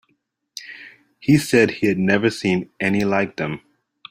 He said he had never seen any like them.